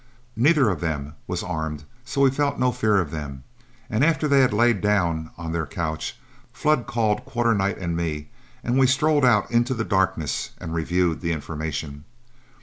Neither of them was armed, so we felt no fear of them, and after they had lain down on their couch, Flood called Quarternight and me, and we strolled out into the darkness and reviewed the information.